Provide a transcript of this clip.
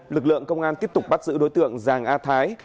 lực lượng công an tiếp tục bắt giữ đối tượng giàng a thái